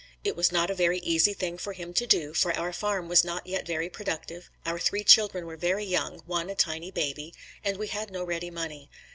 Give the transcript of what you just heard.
It was not a very easy thing for him to do, for our farm was not yet very productive, our three children were very young, one a tiny baby, and we had no ready money.